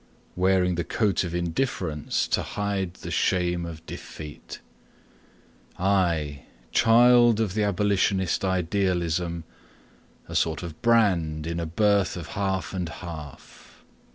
Wearing the coat of indifference to hide the shame of defeat; I, child of the abolitionist idealism— A sort of Brand in a birth of half and half.